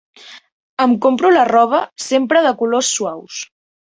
Em compro la roba sempre de colors suaus.